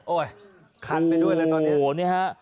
โอ้ยคันไปด้วยแล้วตอนนี้